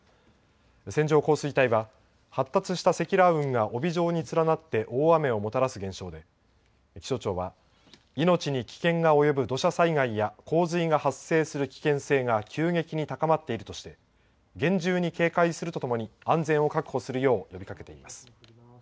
線状降水帯は発達した積乱雲が帯状に連なって大雨をもたらす現象で、気象庁は、命に危険が及ぶ土砂災害や洪水が発生する危険性が急激に高まっているとして、厳重に警戒するとともに、安全を確保するよう、呼びかけています。